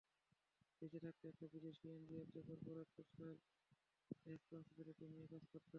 দেশে থাকতে একটা বিদেশি এনজিওতে করপোরেট সোশ্যাল রেসপনসিবিলিটি নিয়ে কাজ করতাম।